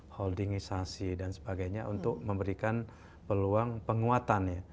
holdingisasi dan sebagainya untuk memberikan peluang penguatannya